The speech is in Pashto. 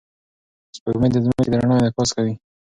سپوږمۍ د ځمکې د رڼا انعکاس کوي.